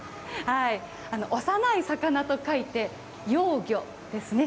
幼い魚と書いて幼魚ですね。